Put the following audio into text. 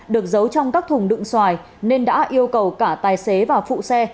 được giấu trong các thùng đựng xoài nên đã yêu cầu cả tài xế và phụ xe